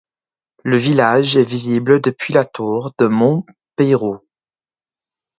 Le village est visible depuis la tour de Montpeyroux.